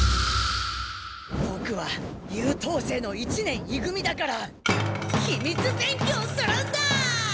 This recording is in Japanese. ボクは優等生の一年い組だから秘密勉強するんだ！